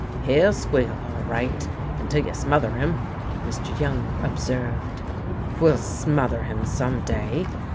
"He'll squeal, all right, until you smother him," Mr. Young observed. "We'll smother him some day!"